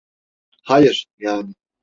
Hayır, yani…